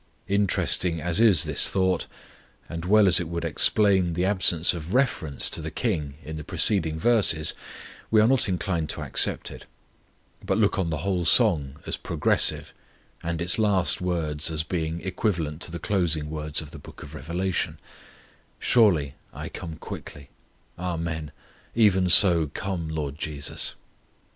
Interesting as is this thought, and well as it would explain the absence of reference to the KING in the preceding verses, we are not inclined to accept it; but look on the whole song as progressive, and its last words as being equivalent to the closing words of the Book of Revelation, "Surely I come quickly. Amen. Even so, come, LORD JESUS."